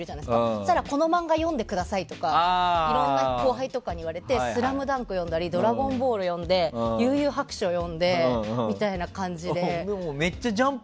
そうしたらこの漫画読んでくださいとかいろんな後輩とかに言われて「スラムダンク」とか「ドラゴンボール」読んで「幽遊白書」読んでみたいな感じで。